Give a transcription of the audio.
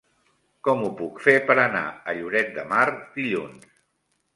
Com ho puc fer per anar a Lloret de Mar dilluns?